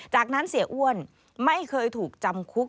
จากนั้นเสียอ้วนไม่เคยถูกจำคุก